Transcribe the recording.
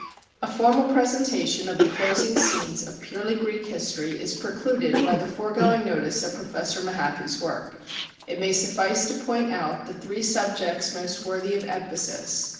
A formal presentation of the closing scenes of purely Greek history is precluded by the foregoing notice of Professor Mahaffy's work. It may suffice to point out the three subjects most worthy of emphasis.